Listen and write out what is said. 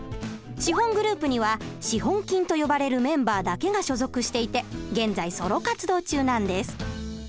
資本グループには資本金と呼ばれるメンバーだけが所属していて現在ソロ活動中なんです。